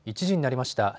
１時になりました。